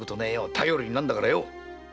頼りになんだからよ。